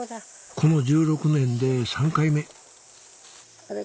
この１６年で３回目あれ？